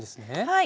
はい。